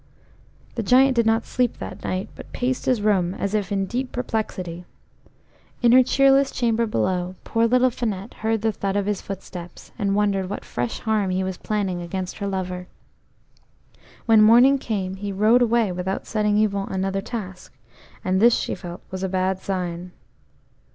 The Giant did not sleep that night, but paced his room as if in deep perplexity. In her cheerless chamber below poor little Finette heard the thud of his footsteps, and wondered what fresh harm he was planning against her lover. When morning came, he rode away without setting Yvon another task, and this she felt was a bad sign.